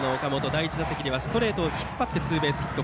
第１打席はストレートを引っ張りツーベースヒット。